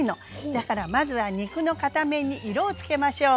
だからまずは肉の片面に色をつけましょう。